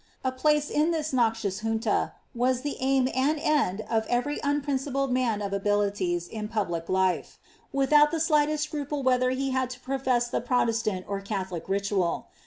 A place in this noxious junta was the aim tnd end of every unprincipled man of abilities in public life, without the slightest scruple whether he had to profess the Protestant or Catho lic ritual.'